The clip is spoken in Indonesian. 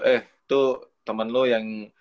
eh tuh temen lo yang